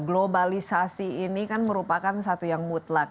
globalisasi ini kan merupakan satu yang mutlak